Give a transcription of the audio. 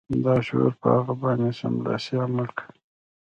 لاشعور په هغه باندې سملاسي عمل کوي